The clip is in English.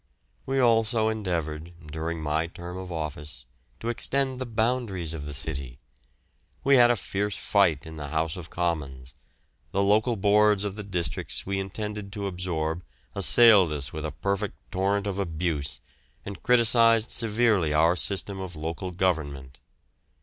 We also endeavoured, during my term of office, to extend the boundaries of the city. We had a fierce fight in the House of Commons. The local boards of the districts we intended to absorb assailed us with a perfect torrent of abuse, and criticised severely our system of local government.